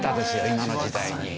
今の時代に。